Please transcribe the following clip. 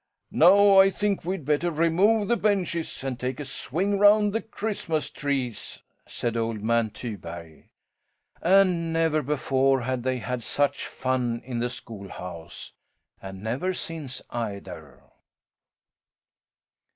"Now I think we'd better remove the benches and take a swing round the Christmas trees," said old man Tyberg. And never before had they had such fun in the schoolhouse, and never since, either.